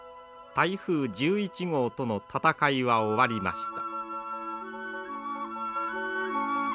台風１１号との闘いは終わりました。